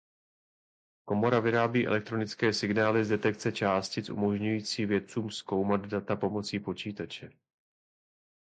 Komora vyrábí elektronické signály z detekce částic umožňující vědcům zkoumat data pomocí počítače.